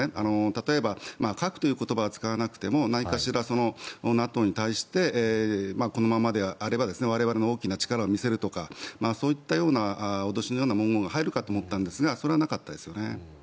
例えば核という言葉は使わなくても何かしらＮＡＴＯに対してこのままであれば我々の大きな力を見せるとかそういったような脅しのような文言が入るのかと思ったんですがそれはなかったですよね。